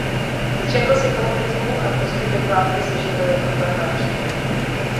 Zřekl se komunismu a po zbytek války se živil jako farmář.